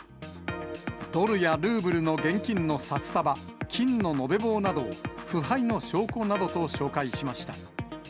ドルやルーブルの現金の札束、金の延べ棒などを腐敗の証拠などと紹介しました。